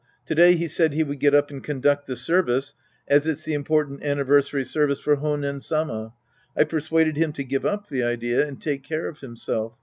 To day he said he would get up and conduct the service, as it's the important anniversary service for Honen Sama. I persuaded him to give up the idea and take care of himself.